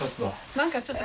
何かちょっと。